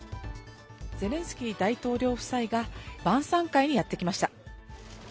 ゼレンスキー大統領夫妻が晩さん会にやって来ました。